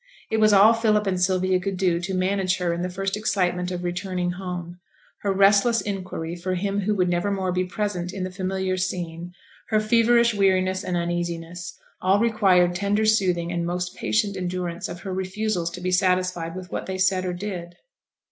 It was all Philip and Sylvia could do to manage her in the first excitement of returning home; her restless inquiry for him who would never more be present in the familiar scene, her feverish weariness and uneasiness, all required tender soothing and most patient endurance of her refusals to be satisfied with what they said or did.